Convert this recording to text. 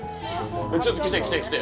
ちょっと来て来て来て。